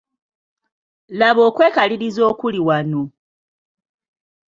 Laba okwekaliriza okuli wano!